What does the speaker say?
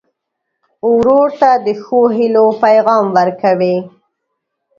ورور ته د ښو هيلو پیغام ورکوې.